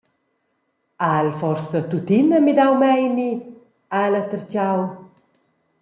Ha el forsa tuttina midau meini, ha ella tertgau.